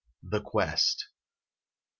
THE QUEST. I.